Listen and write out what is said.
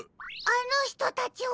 あのひとたちは。